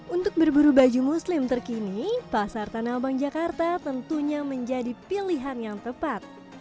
untuk berburu baju muslim terkini pasar tanah abang jakarta tentunya menjadi pilihan yang tepat